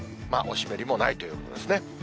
お湿りもないということですね。